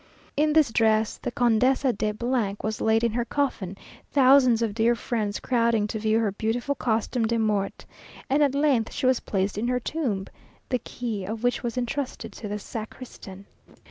In this dress, the Condesa de was laid in her coffin, thousands of dear friends crowding to view her beautiful costume de mort, and at length she was placed in her tomb, the key of which was intrusted to the sacristan.